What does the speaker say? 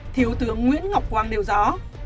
thiếu tướng nguyễn ngọc quang nêu rõ